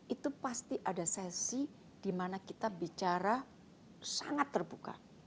itu pasti ada sesi di mana kita bicara sangat terbuka